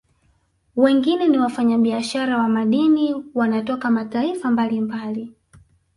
Wengine ni wafanya biashara wa madini wanatoka mataifa mbalimbali